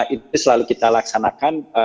itu selalu kita laksanakan